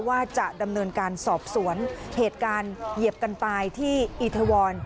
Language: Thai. ว่าจะดำเนินการสอบสวนเหตุการณ์เหยียบกันตายที่อีทวร